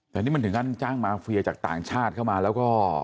แต่นี่มันถึงขั้นจ้างมาเฟียจากต่างชาติเข้ามาแล้วก็